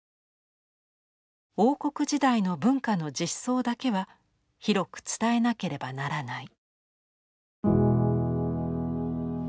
「王国時代の文化の実相だけは広く伝えなければならない」。